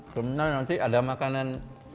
kemudian nanti ada makanan